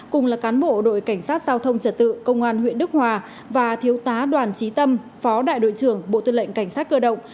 cùng là cán bộ đội cảnh sát giao thông trật tự công an huyện đức hòa và thiếu tá đoàn trí tâm phó đại đội trưởng bộ tư lệnh cảnh sát cơ động